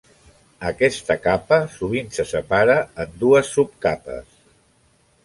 Aquesta capa sovint se separa en dues subcapes.